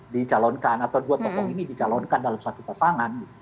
dicalonkan atau dua tokoh ini dicalonkan dalam satu pasangan